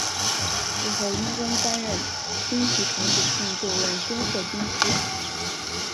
事后因公担任金崎城主并就任敦贺郡司。